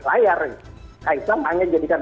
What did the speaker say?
layar keisan hanya jadikan